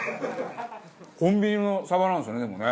コンビニのサバなんですよねでもね。